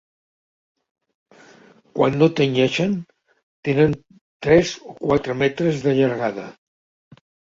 Quan no tenyeixen tenen tres o quatre metres de llargada.